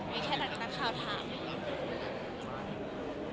มีแค่นักนักคราวถาม